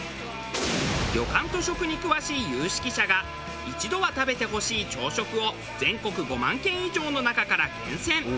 旅館と食に詳しい有識者が一度は食べてほしい朝食を全国５万軒以上の中から厳選。